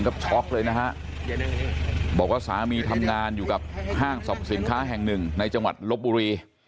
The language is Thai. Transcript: ช็อกเลยนะฮะบอกว่าสามีทำงานอยู่กับห้างสรรพสินค้าแห่งหนึ่งในจังหวัดลบบุรี